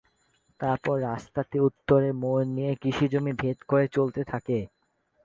তারপর রাস্তাটি উত্তরে মোড় নিয়ে কৃষি জমি ভেদ করে চলতে থাকে।